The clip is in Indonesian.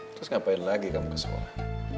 terus ngapain lagi kamu ke sekolah